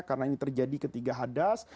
karena ini terjadi ketika hadas